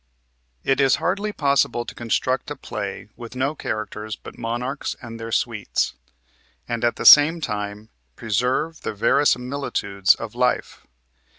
It is hardly possible to construct a play with no characters but monarchs and their suites, and at the same time preserve the verisimilitudes of life.